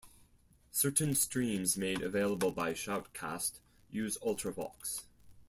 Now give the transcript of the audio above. Certain streams made available by Shoutcast use Ultravox.